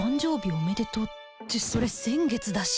おめでとうってそれ先月だし